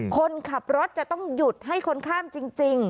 คนขับรถจะต้องหยุดให้คนข้ามจริง